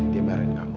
dia meren kamu